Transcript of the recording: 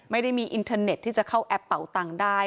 ไม่ได้มีอินเทอร์เน็ตที่จะเข้าแอปเป่าตังค์ได้